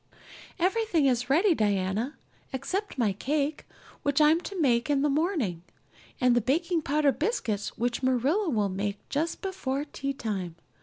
"Everything is ready, Diana, except my cake which I'm to make in the morning, and the baking powder biscuits which Marilla will make just before teatime.